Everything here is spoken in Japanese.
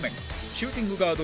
シューティングガード